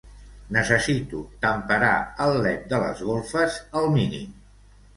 Necessito temperar el led de les golfes al mínim.